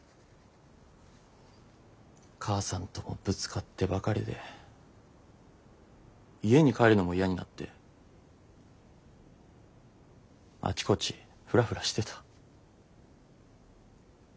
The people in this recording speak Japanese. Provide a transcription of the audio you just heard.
母さんともぶつかってばかりで家に帰るのも嫌になってあちこちフラフラしてた。